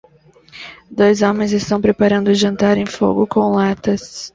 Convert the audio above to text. Dois homens estão preparando o jantar em fogo com latas.